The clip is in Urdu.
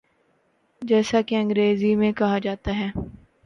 جیسا کہ انگریزی میں کہا جاتا ہے۔